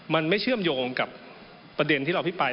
มันไม่เชื่อมโยงกับประเด็นที่เราพิปราย